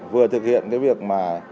vừa thực hiện cái việc mà